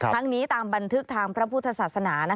ทั้งนี้ตามบันทึกทางพระพุทธศาสนา